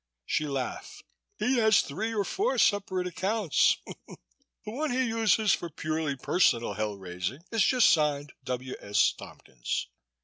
She laughed. "He has three or four separate accounts. The one he uses for purely personal hell raising is just signed 'W. S. Tompkins.'